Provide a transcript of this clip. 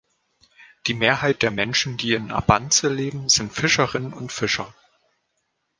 Die Mehrheit der Menschen, die in Abandze leben, sind Fischerinnen und Fischer.